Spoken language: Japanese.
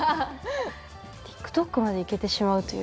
ＴｉｋＴｏｋまでいけてしまうという。